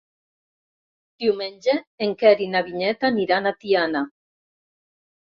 Diumenge en Quer i na Vinyet aniran a Tiana.